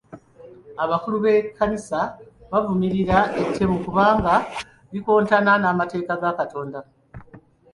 Abakulu b'ekkanisa bavumirira ettemu kubanga likontana n'amateeka ga Katonda.